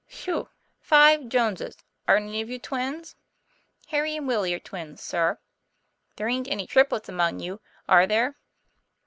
"Whew! five Joneses. Are any of you twins?" "Harry and Willie are twins, sir." 'There aint any triplets among you, are there?"